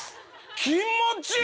気持ちいい！